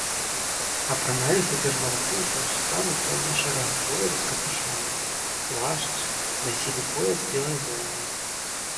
Апраналіся бернардзінцы ў сутану цёмна-шэрага колеру з капюшонам, плашч, насілі пояс з белай воўны.